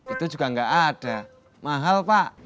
itu juga nggak ada mahal pak